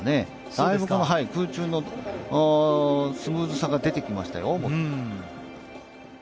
だいぶ空中のスムーズさが出てきましたよ。